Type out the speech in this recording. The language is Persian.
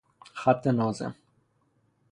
خط ناظم